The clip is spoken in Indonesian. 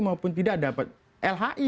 maupun tidak dapat lhi